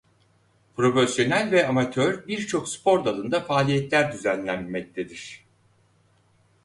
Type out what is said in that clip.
Profesyonel ve amatör birçok spor dalında faaliyetler düzenlenmektedir.